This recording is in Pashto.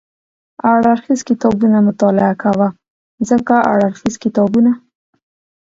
هر اړخیز کتابونه مطالعه کوه، ځکه هر اړخیز کتابونه